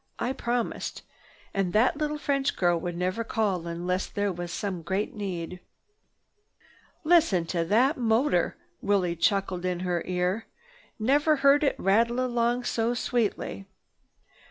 "I promised. And that little French girl would never call unless there was some great need." "Listen to that motor!" Willie chuckled in her ear. "Never heard it rattle along so sweetly."